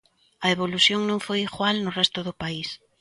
A evolución non foi igual no resto do país.